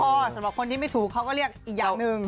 พอสำหรับคนที่ไม่ถูกเขาก็เรียกอีกอย่างหนึ่ง